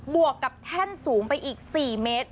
วกกับแท่นสูงไปอีก๔เมตร